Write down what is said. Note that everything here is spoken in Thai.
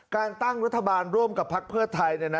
การตั้งรัฐบาลร่วมกับภักดิ์เพื่อไทยเนี่ยนะ